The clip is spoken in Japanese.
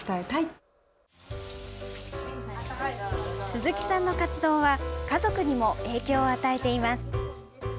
鈴木さんの活動は家族にも影響を与えています。